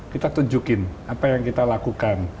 kita tunjukin apa yang kita lakukan